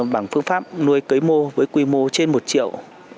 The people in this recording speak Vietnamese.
bằng phương pháp nuôi cấy mô với quy mô trên một triệu